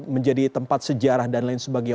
menjadi tempat sejarah dan lain sebagainya